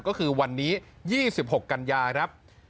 ก็คือวันนี้๒๖กันยาครับ